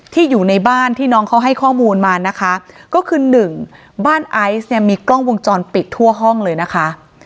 อยู่ในบ้านที่น้องเขาให้ข้อมูลมานะคะก็คือหนึ่งบ้านไอซ์เนี่ยมีกล้องวงจรปิดทั่วห้องเลยนะคะ